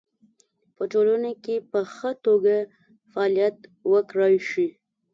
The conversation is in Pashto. په ټولنه کې په خه توګه فعالیت وکړی شي